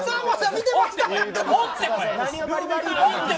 見てました。